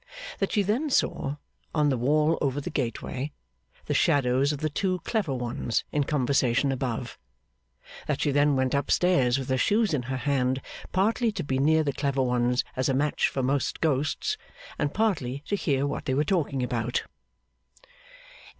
That she then saw, on the wall over the gateway, the shadows of the two clever ones in conversation above. That she then went upstairs with her shoes in her hand, partly to be near the clever ones as a match for most ghosts, and partly to hear what they were talking about.